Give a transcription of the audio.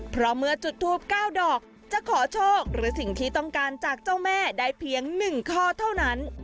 เพราะเมื่อจุดทูป๙ดอกจะขอโชคหรือสิ่งที่ต้องการจากเจ้าแม่ได้เพียง๑ข้อเท่านั้น